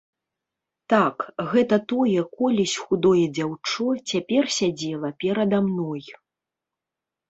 Так, гэта тое колісь худое дзяўчо цяпер сядзела перада мной.